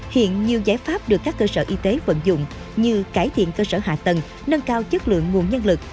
hiện nhiều giải pháp được các cơ sở y tế vận dụng như cải thiện cơ sở hạ tầng nâng cao chất lượng nguồn nhân lực